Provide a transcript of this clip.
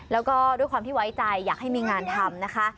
แล้วก็ด้วยความที่ไว้ใจอยากให้มีงานทำนะคะ